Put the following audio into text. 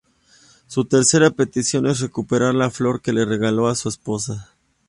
Su tercera petición es recuperar la flor que le regaló a su esposa.